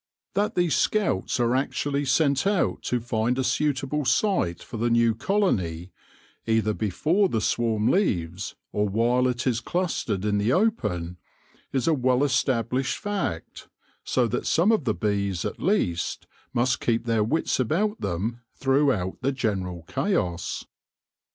That these scouts are actually sent out to find a suitable site for the new colony, either before the swarm leaves or while it is clustered in the open, is a well established fact, so that some of the bees at least must keep their wits about them throughout the general chaos.